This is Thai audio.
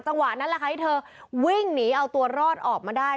จังหวะนั้นแหละค่ะที่เธอวิ่งหนีเอาตัวรอดออกมาได้